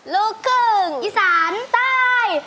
ลูกกึ่งอีสานใต้